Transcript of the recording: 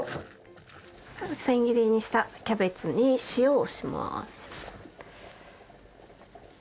千切りにしたキャベツに塩をします。